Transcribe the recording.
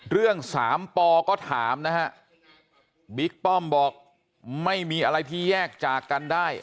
เรื่องสามปอก็ถามนะฮะบิ๊กป้อมบอกไม่มีอะไรที่แยกจากกันได้